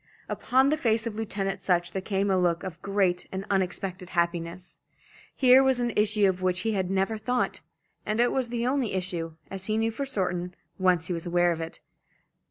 Upon the face of Lieutenant Sutch there came a look of great and unexpected happiness. Here was an issue of which he had never thought; and it was the only issue, as he knew for certain, once he was aware of it.